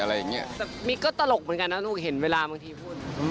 มิ๊กก็ตลกเหมือนกันนะลูกเห็นเวลาบางทีพูด